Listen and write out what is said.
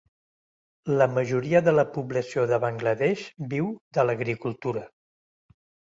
La majoria de la població de Bangla Desh viu de l'agricultura.